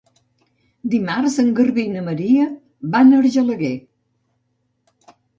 Dimarts en Garbí i na Maria van a Argelaguer.